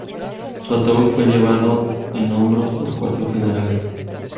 Su ataúd fue llevado en hombros por cuatro generales.